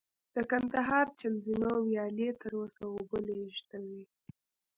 د کندهار چل زینو ویالې تر اوسه اوبه لېږدوي